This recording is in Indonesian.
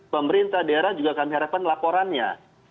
pemerintah daerah juga kami harapkan laporannya